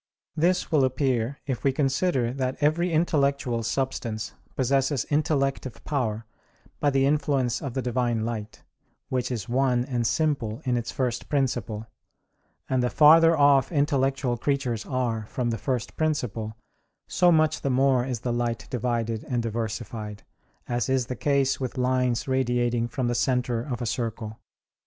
This will appear if we consider that every intellectual substance possesses intellective power by the influence of the Divine light, which is one and simple in its first principle, and the farther off intellectual creatures are from the first principle so much the more is the light divided and diversified, as is the case with lines radiating from the centre of a circle.